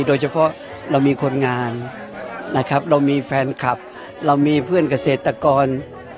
โดยเฉพาะเรามีคนงานนะครับเรามีแฟนคลับเรามีเพื่อนเกษตรกร